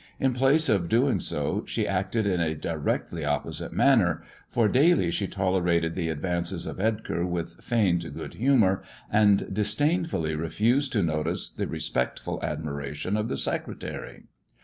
In place of doing ' she acted in a directly opposite manner, for daily she lerated the advances of Edgar with feigned good humour, id disdainfully refused to notice the respectful admiration the secretary.